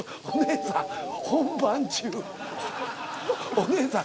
お姉さん。